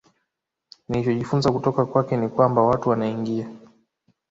Nilichojifunza kutoka kwake ni kwamba watu wanaingia